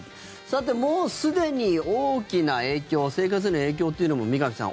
もうすでに大きな影響生活への影響というのも三上さん